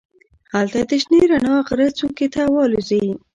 هلته د شنې رڼا غره څوکې ته والوزي.